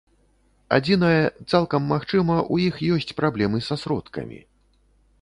Адзінае, цалкам магчыма, у іх ёсць праблемы са сродкамі.